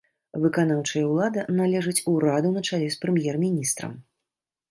Выканаўчая ўлада належыць ураду на чале з прэм'ер-міністрам.